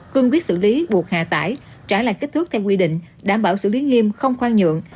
cương quyết xử lý buộc hạ tải trả lại kích thước theo quy định đảm bảo xử lý nghiêm không khoan nhượng